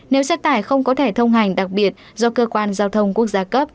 nếu xe tải không có thẻ thông hành đặc biệt do cơ quan giao thông quốc gia cấp